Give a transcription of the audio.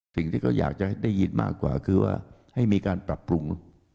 สิ่งที่เขาอยากจะได้ยินมากกว่าคือว่าให้มีการปรับปรุง